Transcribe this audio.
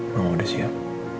kamu udah siap